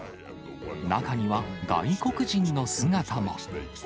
中には外国人の姿も。